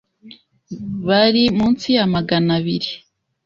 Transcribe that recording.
bari munsi ya Magana abiri